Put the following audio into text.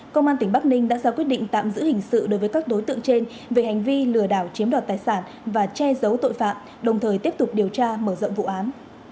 công an tỉnh bắc ninh đã ra quyết định tạm giữ hình sự đối với các đối tượng trên về hành vi lừa đảo chiếm đoạt tài sản và che giấu tội phạm đồng thời tiếp tục điều tra mở rộng vụ án